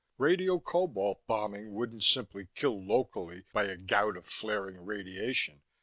Radiocobalt bombing wouldn't simply kill locally by a gout of flaring radiation.